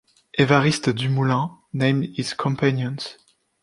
Évariste Dumoulin named his companions.